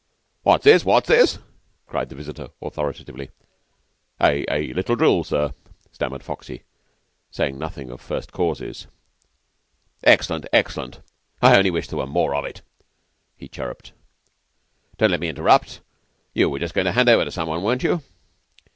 "What's this? What's this?" cried the visitor authoritatively. "A a little drill, sir," stammered Foxy, saying nothing of first causes. "Excellent excellent. I only wish there were more of it," he chirruped. "Don't let me interrupt. You were just going to hand over to someone, weren't you?"